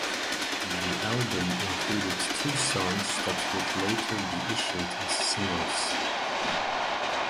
The album included two songs that would later be issued as singles.